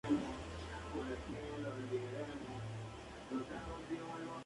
Está en restauración a su apariencia original.